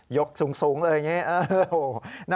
กสูงเลยอย่างนี้